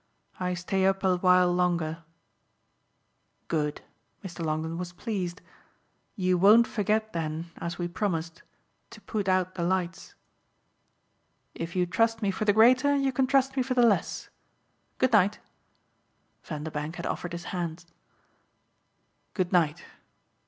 I stay up a while longer." "Good." Mr. Longdon was pleased. "You won't forget then, as we promised, to put out the lights?" "If you trust me for the greater you can trust me for the less. Good night." Vanderbank had offered his hand. "Good night."